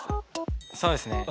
そうですね